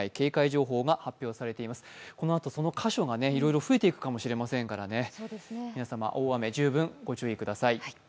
このあとその箇所がいろいろ増えていくかもしれませんので皆様大雨、十分ご注意ください。